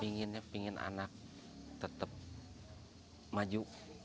pinginnya pingin anak tetap maju